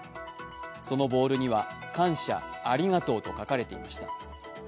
そのボールには「感謝、ありがとう」と書かれていました。